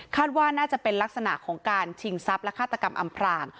ว่าน่าจะเป็นลักษณะของการชิงทรัพย์และฆาตกรรมอำพราง